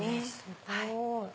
すごい！